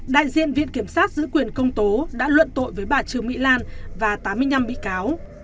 đại diện viện kiểm sát giữ quyền công tố đã luận tội với bà trương mỹ lan và tám mươi năm bị cáo